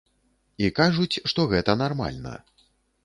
І кажуць, што гэта нармальна.